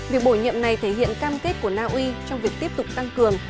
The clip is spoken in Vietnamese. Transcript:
việc bổ nhiệm này thể hiện cam kết của naui trong việc tiếp tục tăng cường